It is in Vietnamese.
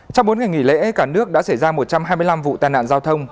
trong bốn ngày nghỉ lễ cả nước đã xảy ra một trăm hai mươi năm vụ tai nạn giao thông